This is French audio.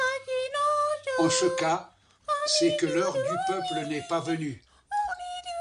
En ce cas, c'est que l'heure du peuple n'est pas venue.